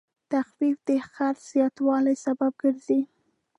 تخفیف د خرڅ زیاتوالی سبب کېږي.